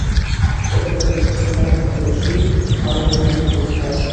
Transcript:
প্রখর রোদের মধ্যে তাঁর মতো বয়সী আরও অনেক নারী প্রতীক্ষায় আছেন।